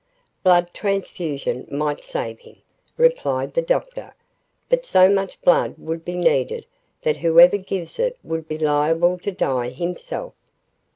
"Blood transfusion might save him," replied the Doctor. "But so much blood would be needed that whoever gives it would be liable to die himself."